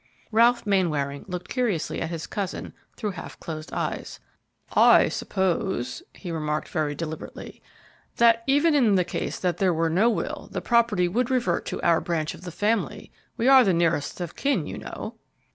Ralph Mainwaring looked curiously at his cousin through half closed eyes. "I suppose," he remarked, very deliberately, "that even in case there were no will the property would revert to our branch of the family; we are the nearest of kin, you know."